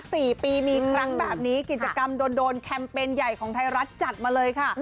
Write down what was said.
สี่ปีมีครั้งแบบนี้กิจกรรมโดนโดนแคมเปญใหญ่ของไทยรัฐจัดมาเลยค่ะ